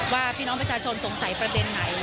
ว่าพี่น้องประชาชนสงสัยประเด็นไหน